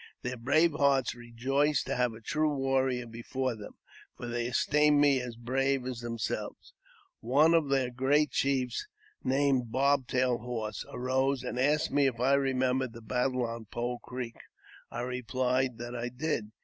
Their brave hearts rejoiced to have a true warrior before them, for they esteemed me as brave as themselves. ^ One of their great chiefs, named the Bob tailed Horse, arose, and asked me if I remembered the battle on Pole Creek. I replied that I did.